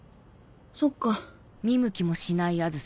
そっか。